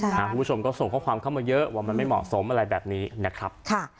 คุณผู้ชมก็ส่งข้อความเข้ามาเยอะว่ามันไม่เหมาะสมอะไรแบบนี้นะครับ